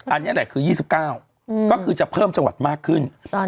อันนี้แหละคือ๒๙ก็คือจะเพิ่มจังหวัดมากขึ้น